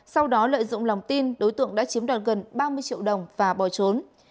sau đó lợi dụng lòng tin đối tượng đã chiếm đoạt gần ba mươi triệu đồng và bỏ trốn